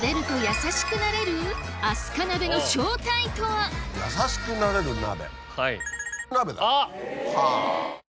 優しくなれる鍋。